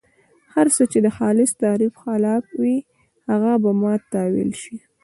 هر څه چې د خالص تعریف خلاف وي هغه به تاویل شي.